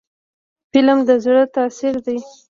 فلم د زړه تاثیر دی